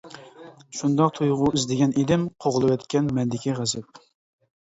شۇنداق تۇيغۇ ئىزدىگەن ئىدىم، قوغلىۋەتكەن مەندىكى غەزەپ.